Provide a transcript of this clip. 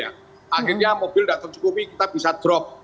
akhirnya mobil tidak tercukupi kita bisa drop